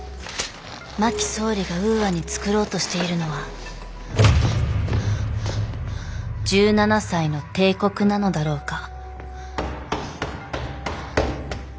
真木総理がウーアに創ろうとしているのは１７才の帝国なのだろうか。